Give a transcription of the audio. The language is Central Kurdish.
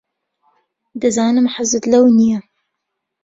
دەزانم حەزت لەو نییە.